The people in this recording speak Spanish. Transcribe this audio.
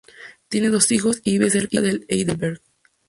Tiene dos hijos y vive cerca de Heidelberg.